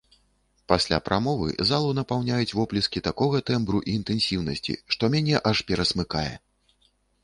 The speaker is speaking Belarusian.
Пасля прамовы залу напаўняюць воплескі такога тэмбру і інтэнсіўнасці, што мяне аж перасмыкае.